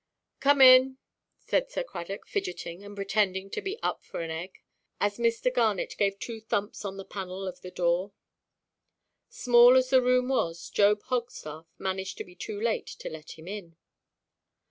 "Come in," said Sir Cradock, fidgeting, and pretending to be up for an egg, as Mr. Garnet gave two great thumps on the panel of the door. Small as the room was, Job Hogstaff managed to be too late to let him in.